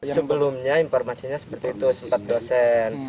sebelumnya informasinya seperti itu sempat dosen